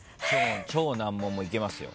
超難問もいけますよ。